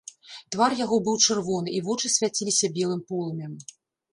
Твар яго быў чырвоны, і вочы свяціліся белым полымем.